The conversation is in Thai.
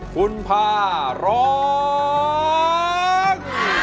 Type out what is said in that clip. คุณพาร้อง